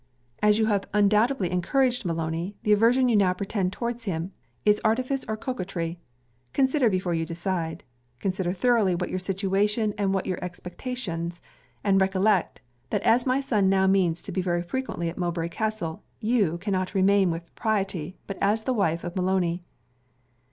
'As you have undoubtedly encouraged Maloney, the aversion you now pretend towards him, is artifice or coquetry. Consider before you decide, consider thoroughly what is your situation and what your expectations; and recollect, that as my son now means to be very frequently at Mowbray Castle, you cannot remain with propriety but as the wife of Maloney.'